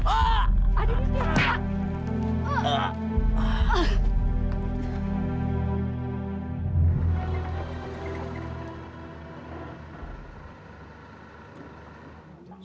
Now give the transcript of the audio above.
ada di sini